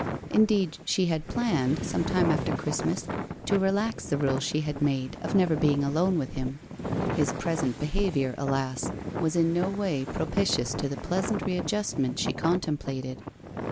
Indeed she had planned, some time after Christmas, to relax the rule 6he had made of never being alone with him. His present behaviour, alas, was in no way propitious to the pleasant readjustment she contemplated.